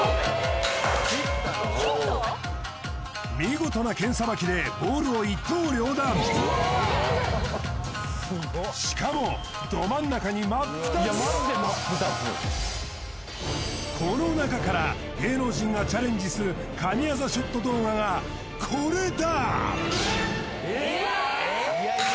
見事な剣さばきでボールを一刀両断しかもど真ん中にこの中から芸能人がチャレンジする神業ショット動画がこれだ